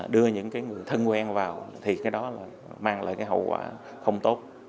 đưa những cái người thân quen vào thì cái đó là mang lại cái hậu quả không tốt